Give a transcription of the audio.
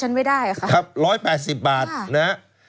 คุณนิวจดไว้หมื่นบาทต่อเดือนมีค่าเสี่ยงให้ด้วย